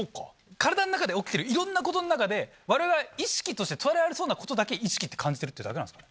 体の中で起きてるいろんなことの中で我々意識として捉えられそうなことだけ意識って感じてるってだけなんですか？